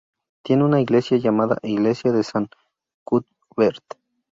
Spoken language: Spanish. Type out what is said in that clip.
Tiene una iglesia llamada Iglesia de San Cuthbert.